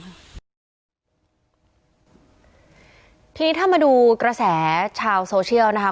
ทีนี้ถ้ามาดูกระแสชาวโซเชียลนะคะ